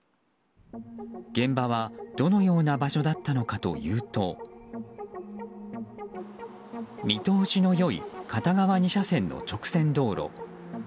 現場はどのような場所だったのかというと見通しの良い片側２車線の直線道路。